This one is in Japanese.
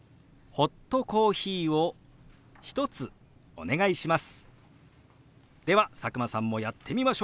ホットコーヒーを１つお願いします。